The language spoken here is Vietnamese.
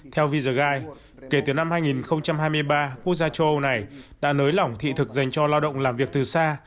theo visiguide kể từ năm hai nghìn hai mươi ba quốc gia châu âu này đã nới lỏng thị thực dành cho lao động làm việc từ xa